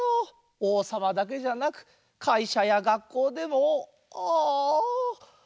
王様だけじゃなくかいしゃやがっこうでもあ。